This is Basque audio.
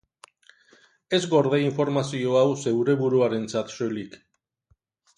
Ez gorde informazio hau zeure buruarentzat soilik.